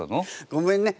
ごめんね。